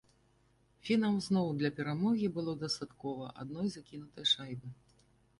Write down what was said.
Фінам зноў для перамогі было дастаткова адной закінутай шайбы.